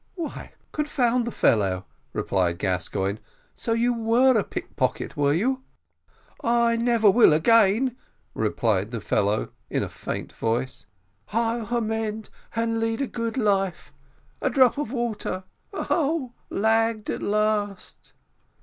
"Why, confound the fellow," cried Gascoigne, "so you were a pickpocket, were you?" "I never will again," replied the fellow, in a faint voice: "Hi'll hamend and lead a good life a drop of water oh! lagged at last!"